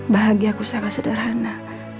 bahagia ku sangat sederhana